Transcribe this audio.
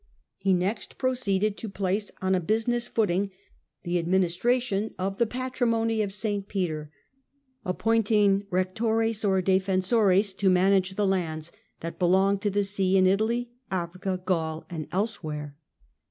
He next proceeded to place on a business footing the idministration of the " Patrimony of St. Peter," appoint ing rectores or defensores to manage the lands that be onged to the see, in Italy, Africa, Gaul and elsewhere.